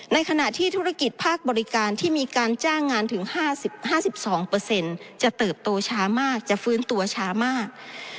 ในขณะที่ธุรกิจภาคบริการที่มีการจ้างงานถึง๕๒จะเติบโตช้ามากจะฟื้นตัวช้ามาก